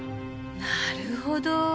なるほど。